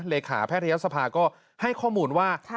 เลขาแพทยศภาก็ให้ข้อมูลว่า